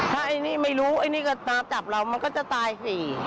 ถ้าไอ้นี่ไม่รู้ไอ้นี่ก็ตามจับเรามันก็จะตายสิ